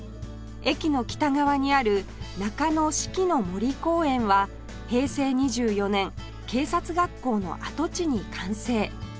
駅の北側にある中野四季の森公園は平成２４年警察学校の跡地に完成